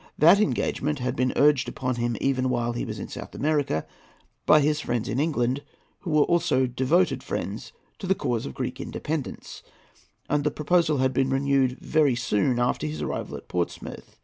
That engagement had been urged upon him even while he was in South America by his friends in England, who were also devoted friends to the cause of Greek independence, and the proposal had been renewed very soon after his arrival at Portsmouth.